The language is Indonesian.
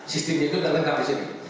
sistemnya itu lengkap di sini